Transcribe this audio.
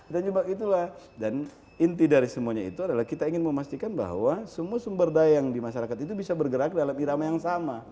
dan inti dari semuanya itu adalah kita ingin memastikan bahwa semua sumber daya yang di masyarakat itu bisa bergerak dalam irama yang sama